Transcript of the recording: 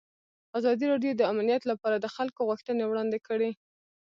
ازادي راډیو د امنیت لپاره د خلکو غوښتنې وړاندې کړي.